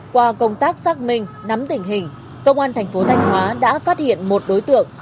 qua công tác xác minh nắm tình hình công an tp thanh hóa đã phát hiện một đối tượng